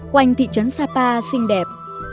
quanh thị trấn sapa xinh đẹp